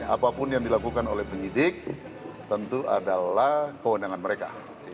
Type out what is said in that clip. apapun yang dilakukan oleh penyidik tentu adalah kewenangan mereka